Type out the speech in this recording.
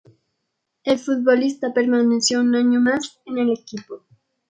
El futbolista permaneció un año más en el equipo.